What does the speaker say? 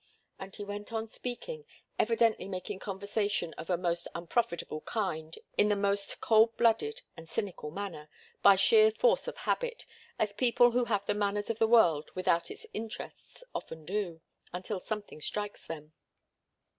And he went on speaking, evidently making conversation of a most unprofitable kind in the most cold blooded and cynical manner, by sheer force of habit, as people who have the manners of the world without its interests often do, until something strikes them.